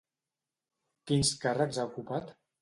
Quins càrrecs ha ocupat?